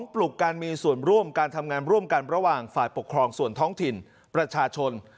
ปลุกการมีส่วนร่วมการทำงานร่วมกันระหว่างฝ่ายปกครองส่วนท้องถิ่นประชาชน